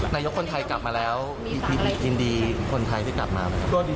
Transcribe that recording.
นายกคนไทยกลับมาแล้วยินดีคนไทยที่กลับมา